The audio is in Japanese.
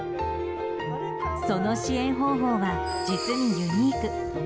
その支援方法は実にユニーク。